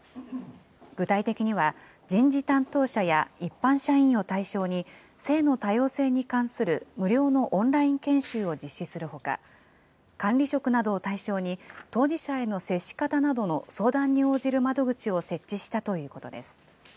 具体的には、人事担当者や一般社員を対象に、性の多様性に関する無料のオンライン研修を実施するほか、管理職などを対象に、当事者への接し方などの相談に応じる窓口を設置したということです。